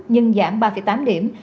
nhưng giảm ba tám điểm